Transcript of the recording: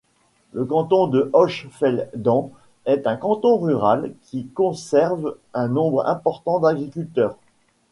Le canton de Hochfelden est un canton rural qui conserve un nombre important d'agriculteurs.